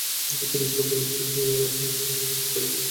তিনি ইসলাম ধর্মে দীক্ষিত হয়ে নাম ধারণ করেন আব্দুল হাদি আকিলি।